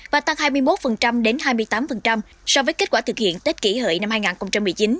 và tăng hai mươi một đến hai mươi tám so với kết quả thực hiện tết kỷ hợi năm hai nghìn một mươi chín